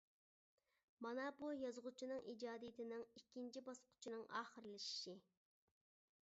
مانا بۇ يازغۇچىنىڭ ئىجادىيىتىنىڭ ئىككىنچى باسقۇچىنىڭ ئاخىرلىشىشى.